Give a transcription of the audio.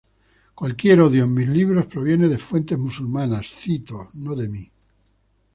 Cualquier odio en mis libros proviene de fuentes musulmanas cito, no de mí.